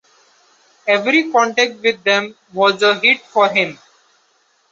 Every contact with them was a hit for him.